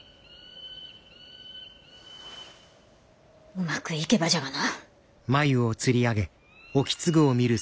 うまくいけばじゃがな！